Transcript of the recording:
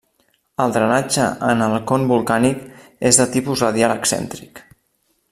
El drenatge en el con volcànic és de tipus radial excèntric.